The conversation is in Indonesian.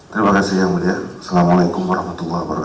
terima kasih yang mulia assalamualaikum wr wb